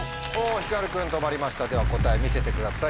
ひかる君止まりましたでは答え見せてください。